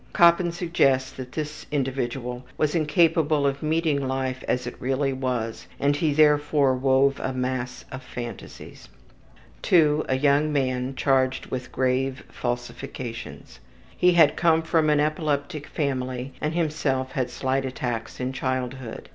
Koppen suggests that this individual was incapable of meeting life as it really was and he therefore wove a mass of phantasies. II. A young man charged with grave falsifications. He had come from an epileptic family and himself had slight attacks in childhood.